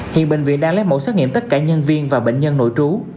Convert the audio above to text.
hiện bệnh viện đang lấy mẫu xét nghiệm tất cả nhân viên và bệnh nhân nội trú